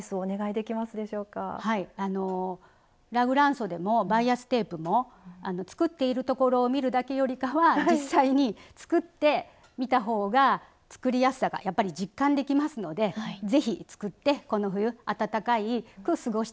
ラグランそでもバイアステープも作っているところを見るだけよりかは実際に作ってみたほうが作りやすさがやっぱり実感できますのでぜひ作ってこの冬暖かく過ごしてほしいと思います。